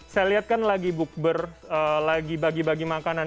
saya lihat kan lagi bukber lagi bagi bagi makanan